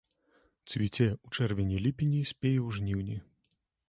Цвіце ў чэрвені-ліпені, спее ў жніўні.